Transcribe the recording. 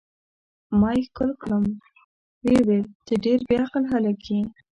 ما یې ښکل کړم، ویې ویل: ته ډېر بې عقل هلک یې.